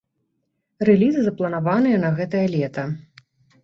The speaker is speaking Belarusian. Рэлізы запланаваныя на гэтае лета.